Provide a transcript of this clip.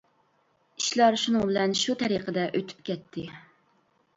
ئىشلار شۇنىڭ بىلەن شۇ تەرىقىدە ئۆتۈپ كەتتى.